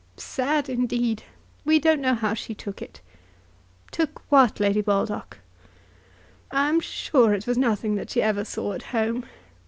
"Sad, indeed! We don't know how she took it." "Took what, Lady Baldock?" "I am sure it was nothing that she ever saw at home.